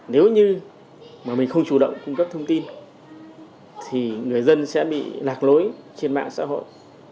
nếu như mà mình không chủ động cung cấp thông tin thì người dân sẽ bị lạc lối trên mạng xã hội